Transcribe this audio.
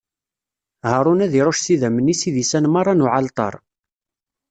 Haṛun ad iṛucc s idammen-is idisan meṛṛa n uɛalṭar.